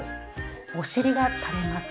お尻がたれます。